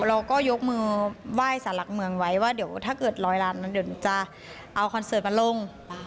เราก็ยกมือไหว้สารหลักเมืองไว้ว่าเดี๋ยวถ้าเกิดร้อยล้านนั้นเดี๋ยวจะเอาคอนเสิร์ตมาลง